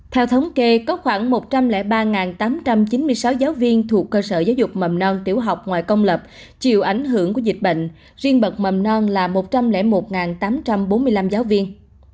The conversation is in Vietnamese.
theo thống kê có khoảng một trăm linh ba tám trăm chín mươi sáu giáo viên thuộc cơ sở giáo dục mầm non tiểu học ngoài công lập chịu ảnh hưởng của dịch bệnh riêng bậc mầm non là một trăm linh một tám trăm bốn mươi năm giáo viên